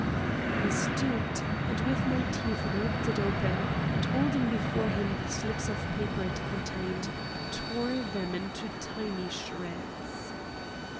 I stooped, and with my teeth ripped it open, and holding before him the slips of paper it contained, tore them into tiny shreds.